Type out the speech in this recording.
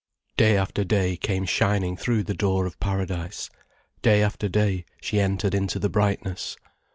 Day after day came shining through the door of Paradise, day after day she entered into the brightness.